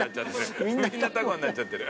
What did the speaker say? みんなタコになっちゃってる。